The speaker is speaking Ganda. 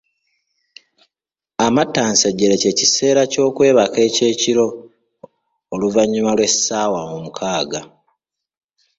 Amattansejjere ky'ekiseera ky’okwebaka eky’ekiro oluvannyuma lw’essaawa omukaaga.